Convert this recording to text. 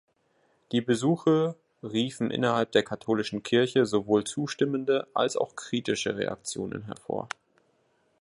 Die Besuche riefen innerhalb der katholischen Kirche sowohl zustimmende als auch kritische Reaktionen hervor.